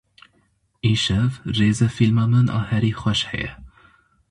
Îşev rêzefîlma min a herî xweş heye.